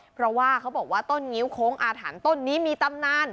เพราะว่าเขาบอกว่าต้นงิ้วโค้งอาถรรพ์ต้นนี้มีตำนาน